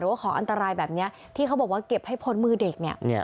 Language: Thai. ว่าของอันตรายแบบนี้ที่เขาบอกว่าเก็บให้พ้นมือเด็กเนี่ย